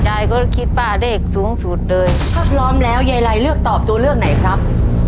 ยายก็คิดว่าเลขสูงสุดเลยถ้าพร้อมแล้วยายไรเลือกตอบตัวเลือกไหนครับ